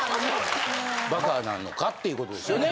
バカなのかっていうことですよね